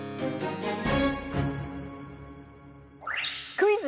クイズ！